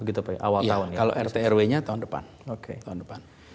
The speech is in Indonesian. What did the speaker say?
iya kalau rt rw nya tahun depan